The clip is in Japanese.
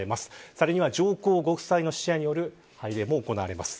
さらには上皇ご夫妻の使者による拝礼も行われます。